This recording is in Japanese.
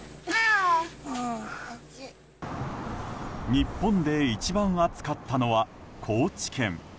日本で一番暑かったのは高知県。